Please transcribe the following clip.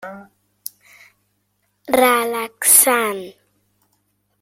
Relaxant: